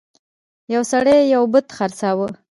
یو سړي یو بت خرڅاوه.